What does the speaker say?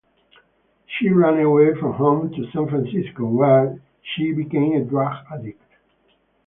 She ran away from home to San Francisco, where she became a drug addict.